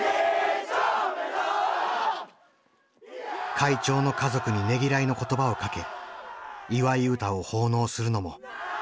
会長の家族にねぎらいの言葉をかけ祝い歌を奉納するのも習わしだ。